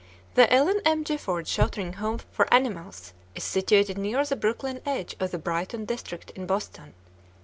The Ellen M. Gifford Sheltering Home for Animals is situated near the Brookline edge of the Brighton district in Boston.